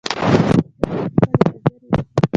زموږ چرګه خپلې وزرې وهي.